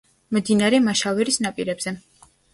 მდინარე მაშავერის ნაპირებზე.